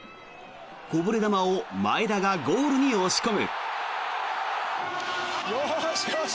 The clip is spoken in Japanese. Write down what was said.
こぼれ球を前田がゴールに押し込む。